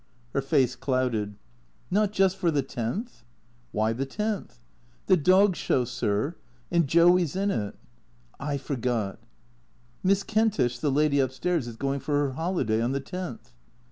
Her face clouded. " Kot just for the tenth ?"" Why the tenth ?"" The Dog Show, sir. And Joey 's in it." "I forgot." " Miss Kentish, the lady up stairs, is going for her holiday on the tenth."